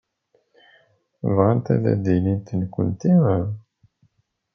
Bɣant ad d-inint nekkenti?